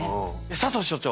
佐藤所長！